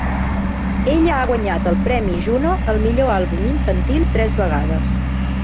Ella ha guanyat el Premi Juno al millor àlbum infantil tres vegades.